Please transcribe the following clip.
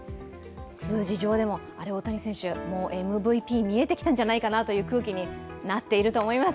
数字上でも、大谷選手МＶＰ見えてきたんじゃないかという空気になっていると思います。